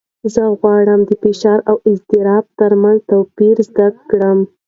زه غواړم د فشار او اضطراب تر منځ توپیر زده کړم.